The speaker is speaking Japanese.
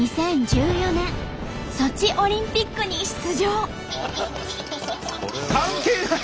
２０１４年ソチオリンピックに出場。